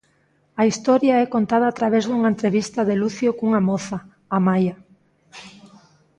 A historia é contada a través dunha entrevista de Lucio cunha moza, Amaia.